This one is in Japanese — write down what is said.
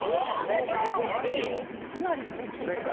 かなり大きい方。